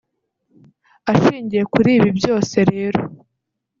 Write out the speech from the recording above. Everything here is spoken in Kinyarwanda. Ashingiye kuri ibi byose rero